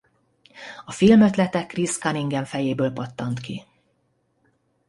A film ötlete Chris Cunningham fejéből pattant ki.